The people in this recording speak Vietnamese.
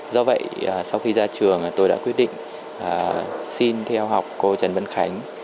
do vậy sau khi ra trường tôi đã quyết định xin theo học cô trần vân khánh